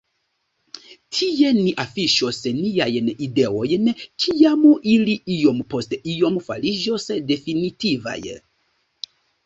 Tie ni afiŝos niajn ideojn, kiam ili iom post iom fariĝos definitivaj.